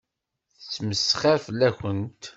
Tettmesxiṛ fell-akent.